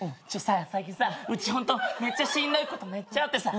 最近さうちホントしんどいことめっちゃあってさ。